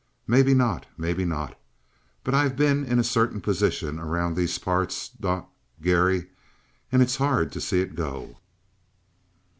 "Maybe not, maybe not. But I've been in a certain position around these parts, Don Garry. And it's hard to see it go!"